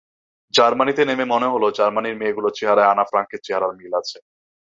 জার্মানিতে নেমে মনে হলো জার্মানির মেয়েগুলোর চেহারায় আনা ফ্রাঙ্কের চেহারার মিল আছে।